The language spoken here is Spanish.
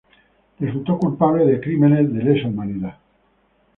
Resultó culpable de crímenes de lesa humanidad.